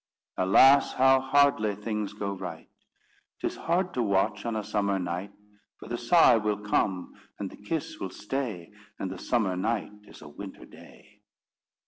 Alas, how hardly things go right! 'Tis hard to watch on a summer night, For the sigh will come and the kiss will stay, And the summer night is a winter day.